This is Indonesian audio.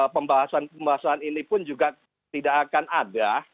pembahasan pembahasan ini pun juga tidak akan ada